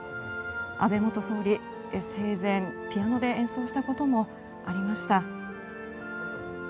安倍元総理、生前ピアノで演奏したこともありました。